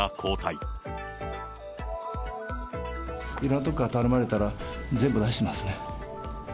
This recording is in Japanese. いろんなところから頼まれたら全部出してますね。